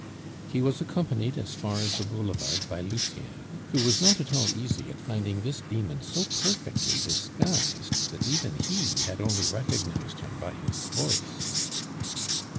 He was accompanied as far as the Boulevard by Lucien, who was not at all easy at finding this demon so perfectly disguised that even he had only recognized him by his voice.